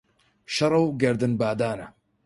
شەڕە و گەردن بادانە